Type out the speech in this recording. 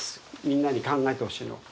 みんなに考えてほしいのは。